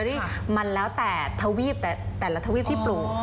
มันมันแล้วแต่ธวีฟที่ปลูก